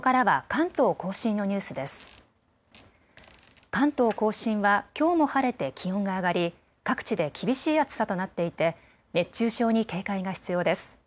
関東甲信はきょうも晴れて気温が上がり各地で厳しい暑さとなっていて熱中症に警戒が必要です。